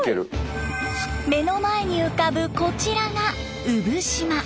目の前に浮かぶこちらが産島。